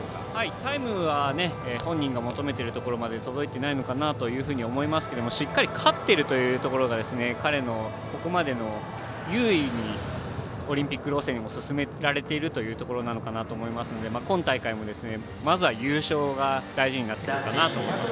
タイムは本人の求めてるとこまで届いていないのかなというふうに思いますけどしっかり勝っているというところが彼のここまでの優位にオリンピック路線を進められているというところなのかなと思いますので今大会も、まずは優勝が大事になってくるかなと思います。